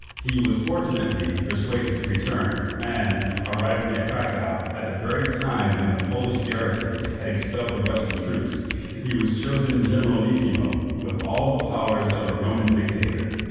He was fortunately persuaded to return, and, arriving at Cracow at the very time when the Polish garrison had expelled the Russian troops, he was chosen generalissimo, with all the power of a Roman dictator.